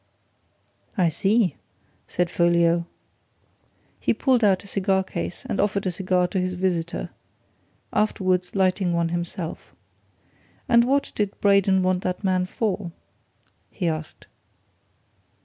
"I see," said Folliot. He pulled out a cigar case and offered a cigar to his visitor, afterwards lighting one himself. "And what did Braden want that man for?" he asked.